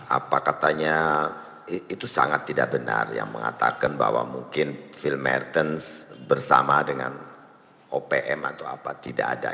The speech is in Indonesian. apa katanya itu sangat tidak benar yang mengatakan bahwa mungkin phil mertens bersama dengan opm atau apa tidak ada